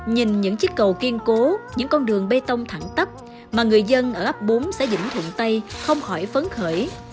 nhìn những chiếc cầu kiên cố những con đường bê tông thẳng tấp mà người dân ở ấp bốn xã vĩnh thuận tây không khỏi phấn khởi